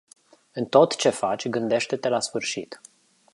În tot ce faci, gândește-te la sfârșit.